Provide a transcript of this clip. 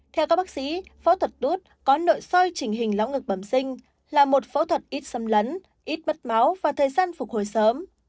theo các bác sĩ phẫu thuật tuốt có nội soi trình hình lão ngực bẩm sinh là một phẫu thuật ít xâm lấn ít mất máu và thời gian phục hồi sớm